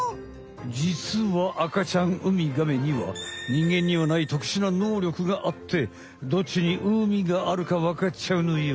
じつは赤ちゃんウミガメには人間にはない特殊な能力があってどっちに海があるかわかっちゃうのよ。